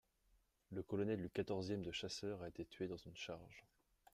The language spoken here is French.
Le colonel du quatorzième de chasseurs a été tué dans une charge.